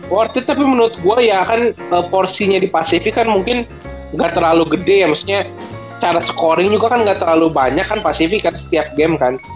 worth it tapi menurut gue ya kan porsinya di pasifik kan mungkin nggak terlalu gede ya maksudnya cara scoring juga kan nggak terlalu banyak kan pasifik kan setiap game kan